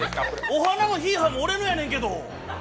お花もヒーハーも俺のやねんけど。